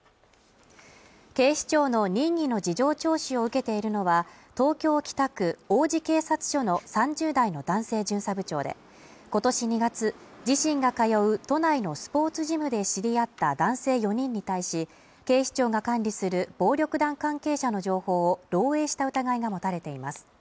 警視庁の任意の事情聴取を受けているのは東京・北区、王子警察署の３０代の男性巡査部長で今年２月自身が通う都内のスポーツジムで知り合った男性４人に対し警視庁が管理する暴力団関係者の情報を漏えいした疑いが持たれています